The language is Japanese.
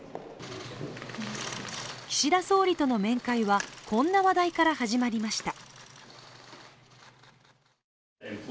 岸田総理との面会はこんな話題から始まりました。